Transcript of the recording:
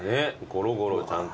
ゴロゴロちゃんと。